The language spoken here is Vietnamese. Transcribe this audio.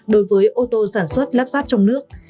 đối với ô tô sản xuất lắp ráp trong nước